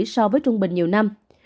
so với trung bình nhiều năm